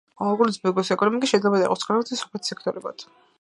კუნძულ ბუკის ეკონომიკა შეიძლება დაიყოს ქალაქის და სოფლის სექტორებად.